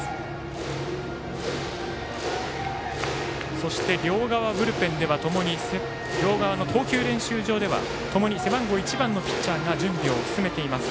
そして両側の投球練習場ではともに背番号１番のピッチャーが準備を進めています。